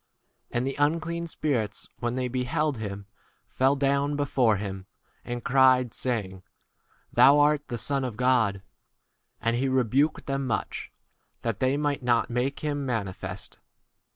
And the unclean spirits when they beheld him, fell down before him, and cried saying, Thou art the Son of 12 God. And he rebuked them much, that they might not make him manifest.